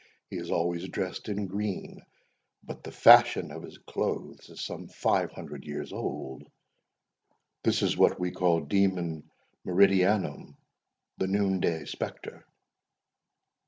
He is always dressed in green; but the fashion of his clothes is some five hundred years old. This is what we call Demon Meridianum—the noon day spectre."